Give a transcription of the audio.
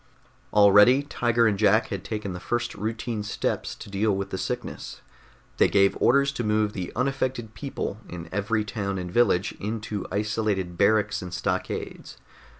Already Tiger and Jack had taken the first routine steps to deal with the sickness. They gave orders to move the unaffected people in every town and village into isolated barracks and stockades.